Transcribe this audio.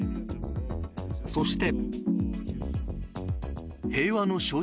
そして。